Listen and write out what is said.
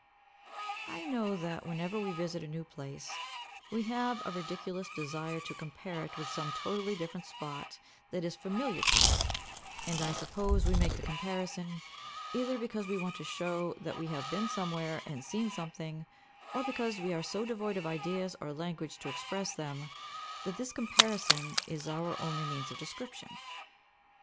I know that whenever we visit a new place, we have a ridiculous desire to compare it with some totally different spot that is familiar to us; and I suppose we make the comparison, either because we want to show that we have been somewhere and seen something, or because we are so devoid of ideas or language to express them, that this comparison is our only means of description.